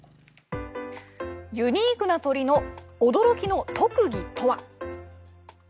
ユニークな鳥の驚きの特技とは。